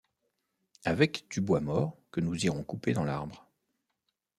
Avec du bois mort que nous irons couper dans l’arbre.